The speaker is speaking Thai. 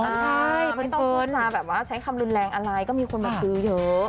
ใช่ไม่ต้องเพิ่มนะแบบว่าใช้คำรุนแรงอะไรก็มีคนมาคือเยอะ